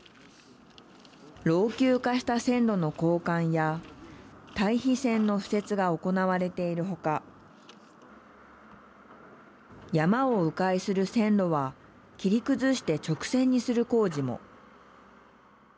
老朽化した線路の交換や待避線の敷設が行われているほか山をう回する線路は切り崩して直線にする工事も。